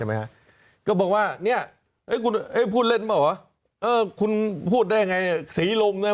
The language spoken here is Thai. ใช่มั้ยฮะก็บอกว่าเนี่ยเอ้ยพูดเล่นเปล่าเหรอเอ้อคุณพูดได้ยังไงศรีโลมเนี่ย